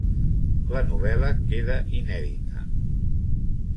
La novel·la queda inèdita.